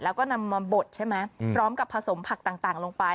แล้วก็นำมาบดใช่ไหมพร้อมกับผสมผักต่างลงไป